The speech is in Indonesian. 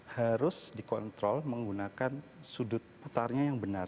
harus dikontrol menggunakan sudut putarnya yang benar